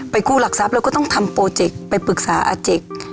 กู้หลักทรัพย์แล้วก็ต้องทำโปรเจกต์ไปปรึกษาอาเจก